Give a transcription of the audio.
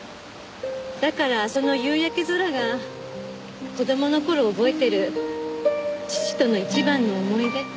だからその夕焼け空が子供の頃覚えてる父との一番の思い出。